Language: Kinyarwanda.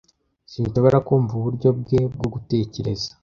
Sinshobora kumva uburyo bwe bwo gutekereza